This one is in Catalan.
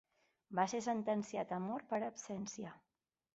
Va ser sentenciat a mort per absència.